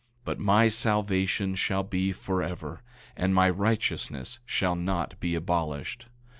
But my salvation shall be forever, and my righteousness shall not be abolished.